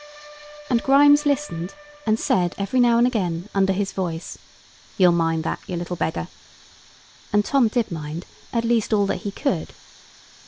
And Grimes listened, and said every now and then, under his voice, "You'll mind that, you little beggar?" and Tom did mind, all at least that he could.